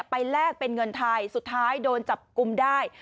แลกเป็นเงินไทยสุดท้ายโดนจับกุมได้